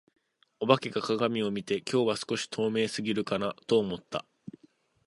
お化けが鏡を見て、「今日は少し透明過ぎるかな」と思った。